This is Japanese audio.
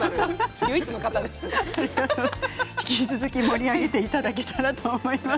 引き続き盛り上げていただけたらと思います。